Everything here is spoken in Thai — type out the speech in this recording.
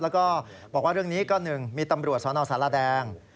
แล้วก็บอกว่าเรื่องนี้ก็๑มีตำรวจสนสารแดง